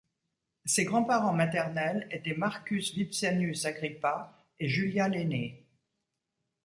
Ses grands-parents maternels étaient Marcus Vipsanius Agrippa et Julia l'Aînée.